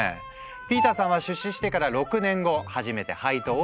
ピーターさんは出資してから６年後初めて配当を受け取っている。